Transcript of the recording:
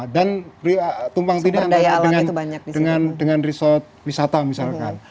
dan tumpang tidak dengan resort wisata misalkan